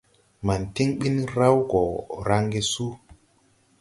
Man tiŋ ɓin raw gɔ raŋge su.